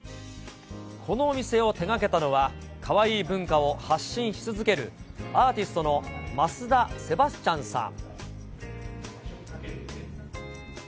このお店を手がけたのは、カワイイ文化を発信し続ける、アーティストの増田セバスチャンさん。